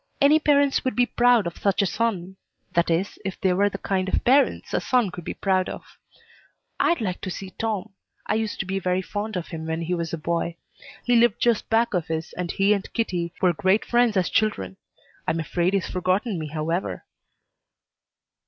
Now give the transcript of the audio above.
Any parents would be proud of such a son that is, if they were the kind of parents a son could be proud of. I'd like to see Tom. I used to be very fond of him when he was a boy. He lived just back of us and he and Kitty were great friends as children. I'm afraid he's forgotten me, however."